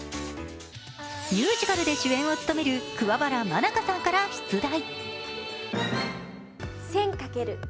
ミュージカルで主演を務める桑原愛佳さんから出題。